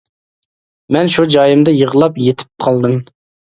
مەن شۇ جايىمدا يىغلاپ يېتىپ قالدىم.